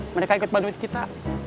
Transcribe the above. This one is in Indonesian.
mereka ikut bantuin kita